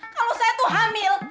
kalau saya tuh hamil